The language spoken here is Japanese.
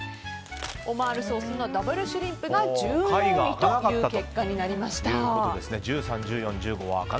オマールソースのダブル・シュリンプが１４位という結果になりました。